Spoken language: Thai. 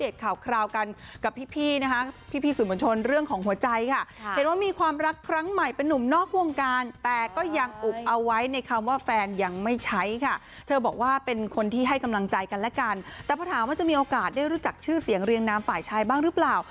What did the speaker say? แต่พอถามว่าจะมีโอกาสได้รู้จักชื่อเสียงเรียงนามฝ่ายชายบ้างหรือเปล่า